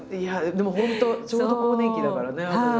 でも本当ちょうど更年期だからね私たち。